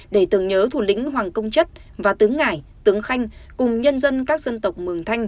để tưởng nhớ thủ lĩnh hoàng công chất và tướng ngải tướng khanh cùng nhân dân các dân tộc mường thanh